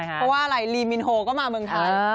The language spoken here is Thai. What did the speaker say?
เพราะว่าอะไรรีมินโฮก็มาเมืองไทย